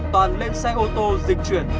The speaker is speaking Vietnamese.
toàn lên xe ô tô dịch chuyển